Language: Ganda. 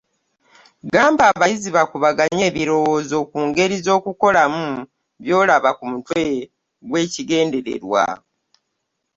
Gamba abayizi bakubaganye ebirowoozo ku ngeri z’okukolamu by’olaba ku mutwe gw’ekigendererwa.